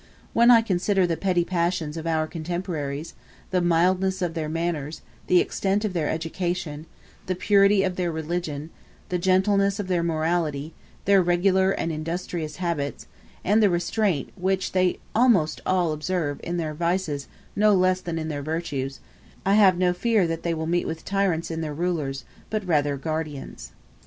When I consider the petty passions of our contemporaries, the mildness of their manners, the extent of their education, the purity of their religion, the gentleness of their morality, their regular and industrious habits, and the restraint which they almost all observe in their vices no less than in their virtues, I have no fear that they will meet with tyrants in their rulers, but rather guardians.